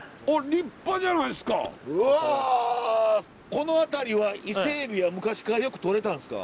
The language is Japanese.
この辺りは伊勢エビは昔からよくとれたんですか？